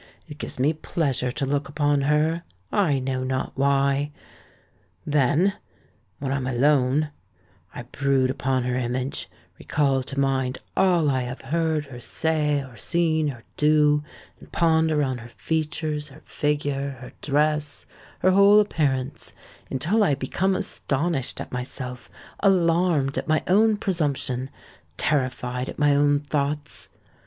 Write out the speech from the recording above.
It gives me pleasure to look upon her—I know not why. Then—when I am alone—I brood upon her image, recall to mind all I have heard her say or seen her do, and ponder on her features—her figure—her dress—her whole appearance, until I become astonished at myself—alarmed at my own presumption—terrified at my own thoughts.